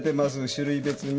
種類別に。